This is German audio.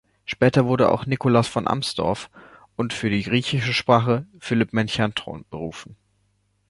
Später wurden noch Nikolaus von Amsdorf und für die griechische Sprache Philipp Melanchthon berufen.